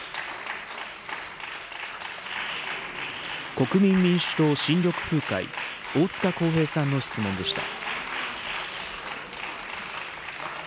国民民主党・新緑風会、大塚耕平さんの質問でした。